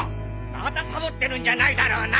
またサボってるんじゃないだろうな！